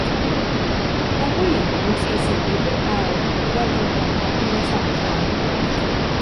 และผู้หญิงอายุ สี่สิบ ปีขึ้นไปควรตรวจอย่างน้อยปีละ สอง ครั้ง